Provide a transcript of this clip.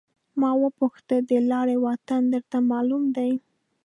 ما وپوښتل د لارې واټن درته معلوم دی.